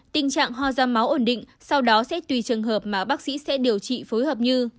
tình trạng ho ra máu ổn định sau đó sẽ tùy trường hợp mà bác sĩ sẽ điều trị phối hợp như